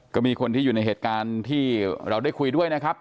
ก็มีคนที่อยู่ในเหตุการณ์ที่เราได้คุยด้วยนะครับ